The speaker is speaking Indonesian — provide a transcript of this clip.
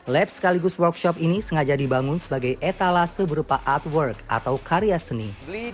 lab sekaligus workshop ini sengaja dibangun sebagai etalase berupa artwork atau karya seni